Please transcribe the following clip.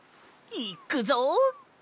いっくぞ！